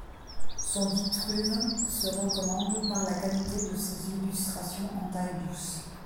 Son Vitruve se recommande par la qualité de ses illustrations en taille-douce.